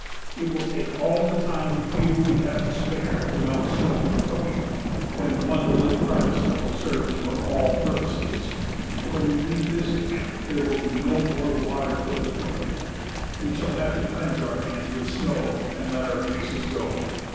It will take all the time and fuel we have to spare to melt snow for cooking, when one little primus stove serves for all purposes. When we leave this camp there will be no more water for the toilet; we shall have to cleanse our hands with snow and let our faces go.